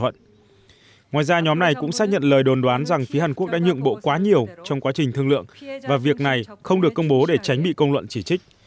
ngoài ra nhóm này cũng xác nhận lời đồn đoán rằng phía hàn quốc đã nhượng bộ quá nhiều trong quá trình thương lượng và việc này không được công bố để tránh bị công luận chỉ trích